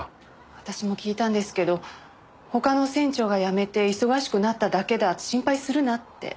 私も聞いたんですけど他の船長が辞めて忙しくなっただけだ心配するなって。